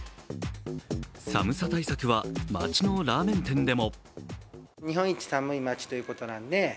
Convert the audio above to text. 寒さ対策は町のラーメン店でも。